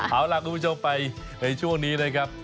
เอาล่ะคุณผู้ชมไปในช่วงนี้นะครับ